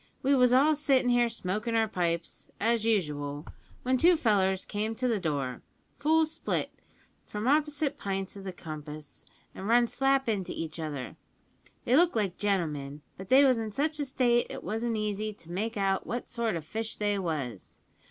We was all sittin' here smokin' our pipes, as usual, when two fellers came to the door, full split, from opposite pints o' the compass, an' run slap into each other. They looked like gentlemen; but they was in such a state it wasn't easy to make out what sort o' fish they was.